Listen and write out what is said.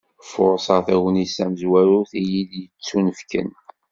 Furseɣ tagnit tamezwarut iyi-d-yettunefken.